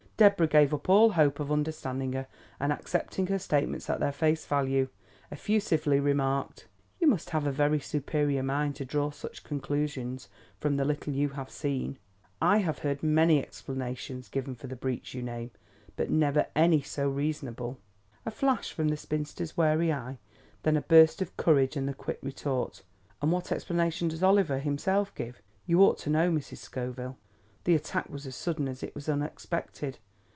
Deborah gave up all hope of understanding her, and, accepting her statements at their face value, effusively remarked: "You must have a very superior mind to draw such conclusions from the little you have seen. I have heard many explanations given for the breach you name, but never any so reasonable." A flash from the spinster's wary eye, then a burst of courage and the quick retort: "And what explanation does Oliver himself give? You ought to know, Mrs. Scoville." The attack was as sudden as it was unexpected.